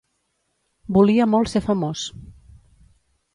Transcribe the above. Volia molt ser famós.